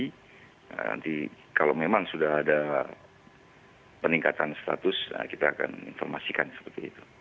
nanti kalau memang sudah ada peningkatan status kita akan informasikan seperti itu